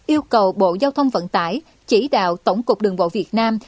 yêu cầu bộ giao thông vận tải chỉ đạo tổng cục đường bộ việt nam